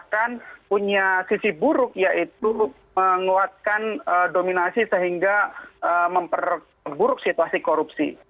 bahkan punya sisi buruk yaitu menguatkan dominasi sehingga memperburuk situasi korupsi